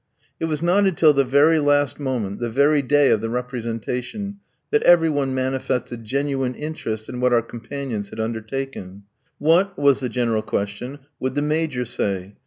It was not until the very last moment, the very day of the representation, that every one manifested genuine interest in what our companions had undertaken. "What," was the general question, "would the Major say?